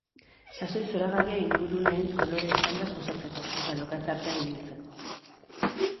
Sasoi zoragarria inguruneen kolore eztandaz gozatzeko, eta lokatz artean ibiltzeko.